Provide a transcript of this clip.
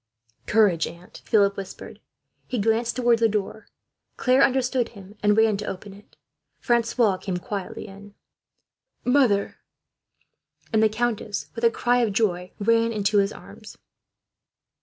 "Courage, aunt," Philip whispered. He glanced towards the door. Claire understood him, and ran to open it. Francois came quietly in. "Mother," he said, and the countess, with a cry of joy, ran into his arms.